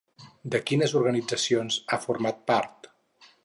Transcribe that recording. De quines organitzacions ha format part?